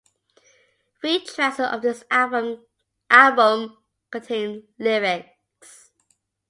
Three tracks of this album contain lyrics.